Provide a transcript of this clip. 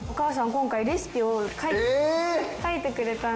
今回レシピを書いてくれたんですよ。